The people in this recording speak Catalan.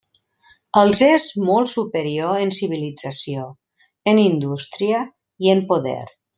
Els és molt superior en civilització, en indústria i en poder.